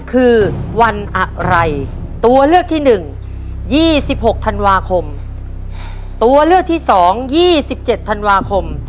คือวันอะไรตัวเลือกที่หนึ่งยี่สิบหกธันวาคมตัวเลือกที่สองยี่สิบเจ็ดธันวาคม